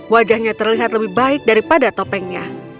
wajahnya terlihat lebih baik daripada topengnya